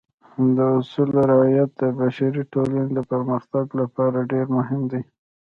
د اصولو رعایت د بشري ټولنې د پرمختګ لپاره ډېر مهم دی.